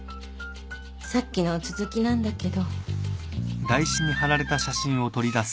さっきの続きなんだけど。